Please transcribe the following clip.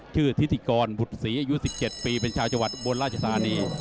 ทิติกรบุตรศรีอายุ๑๗ปีเป็นชาวจังหวัดอุบลราชธานี